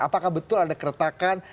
apakah betul ada keretakan